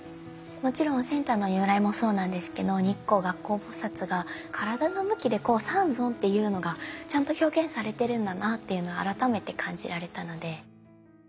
もちろんセンターの如来もそうなんですけど日光月光菩が体の向きで三尊っていうのがちゃんと表現されてるんだなっていうの改めて感じられたので。